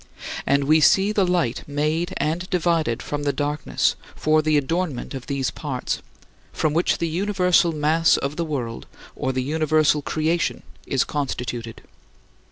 And we see the light made and divided from the darkness for the adornment of these parts, from which the universal mass of the world or the universal creation is constituted.